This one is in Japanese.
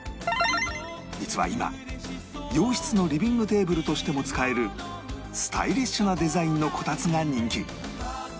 実は今洋室のリビングテーブルとしても使えるスタイリッシュなデザインのこたつが人気